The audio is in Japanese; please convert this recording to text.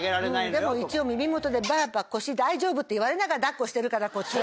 でも一応耳元で。って言われながら抱っこしてるからこっちは。